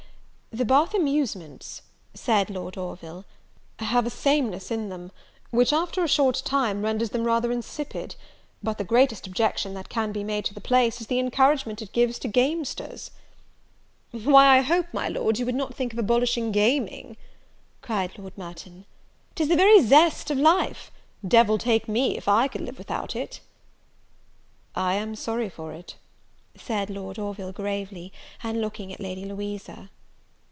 "The Bath amusements," said Lord Orville, "have a sameness in them, which, after a short time, renders them rather insipid; but the greatest objection that can be made to the place, is the encouragement it gives to gamesters." "Why, I hope, my Lord, you would not think of abolishing gaming," cried Lord Merton, "'tis the very zest of life! Devil take me if I could live without it." "I am sorry for it," said Lord Orville, gravely, and looking at Lady Louisa.